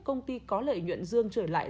công ty có lợi nhuận dương trở lại